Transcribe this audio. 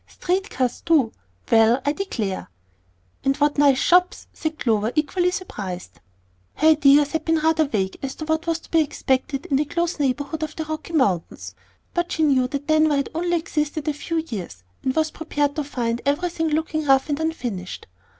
Street cars too! Well, I declare!" "And what nice shops!" said Clover, equally surprised. Her ideas had been rather vague as to what was to be expected in the close neighborhood of the Rocky Mountains; but she knew that Denver had only existed a few years, and was prepared to find everything looking rough and unfinished.